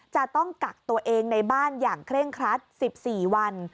จะต้องกักตัวเองในบ้านอย่างเคร่งครัด๑๔วัน